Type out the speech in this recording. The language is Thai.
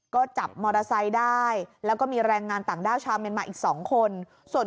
ก็จับมอเตอร์ไซค์ได้แล้วก็มีแรงงานต่างด้าวชาวเมียนมาอีก๒คนส่วน